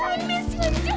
aku rindu kamu bambang